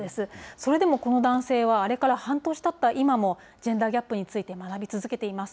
それでもこの男性は、あれから半年たった今も、ジェンダーギャップについて学び続けています。